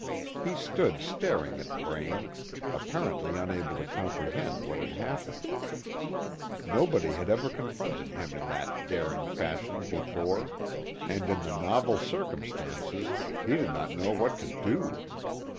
He stood staring at Braine, apparently unable to comprehend what had happened. Nobody had ever confronted him in that daring fashion before, and in the novel circumstances he did not know what to do.